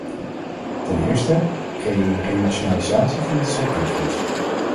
Ten eerste: geen renationalisatie van het structuurfondsbeleid.